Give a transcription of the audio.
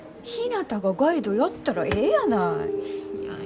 ひなたがガイドやったらええやない。